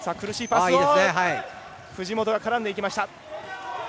藤本が絡んでいきました。